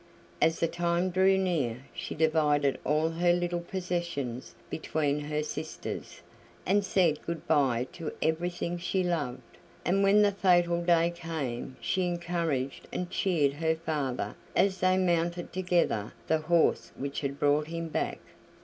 As the time drew near she divided all her little possessions between her sisters, and said good by to everything she loved, and when the fatal day came she encouraged and cheered her father as they mounted together the horse which had brought him back.